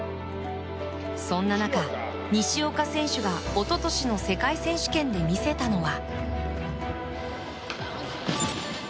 そんな中、西岡選手が一昨年の世界選手権で見せたのは。